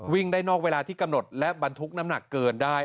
วิ่งได้นอกเวลาที่กำหนดและบรรทุกน้ำหนักเกินได้